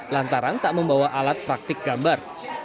lantaran tak membawa alat praktik gambar